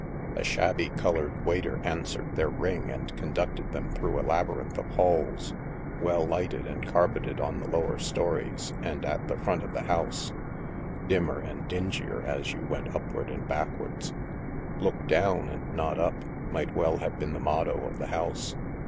A shabby colored waiter answered their ring and conducted them through a lab)rrinth of halls, well lighted and carpeted on the lower stories and at the front of the house — dimmer and dingier as you went upwards and backwards. " Look down, and not up," might well have been the motto of the house.